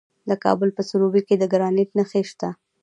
د کابل په سروبي کې د ګرانیټ نښې شته.